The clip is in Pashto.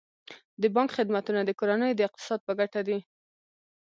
د بانک خدمتونه د کورنیو د اقتصاد په ګټه دي.